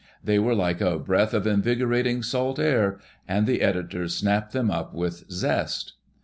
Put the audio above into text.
They were like a breath of invigorating salt air and the editors snapped them up with zest.